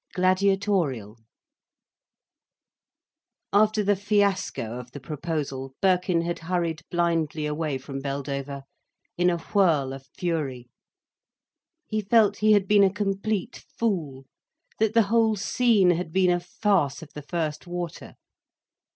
GLADIATORIAL After the fiasco of the proposal, Birkin had hurried blindly away from Beldover, in a whirl of fury. He felt he had been a complete fool, that the whole scene had been a farce of the first water.